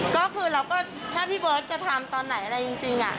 ก็คือเราก็ถ้าพี่เบิร์ตจะทำตอนไหนอะไรจริง